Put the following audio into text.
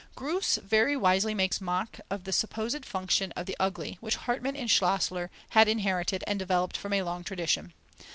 Groos very wisely makes mock of the supposed function of the Ugly, which Hartmann and Schasler had inherited and developed from a long tradition.